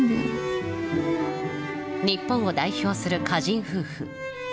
日本を代表する歌人夫婦。